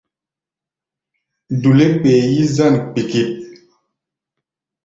Duule kpee yí-zân kpikit.